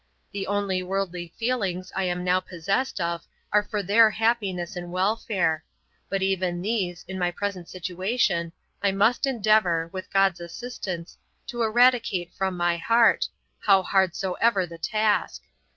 The only worldly feelings I am now possessed of are for their happiness and welfare; but even these, in my present situation, I must endeavour, with God's assistance, to eradicate from my heart, how hard soever the task.